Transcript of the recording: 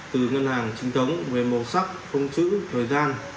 từ ngân hàng chính thức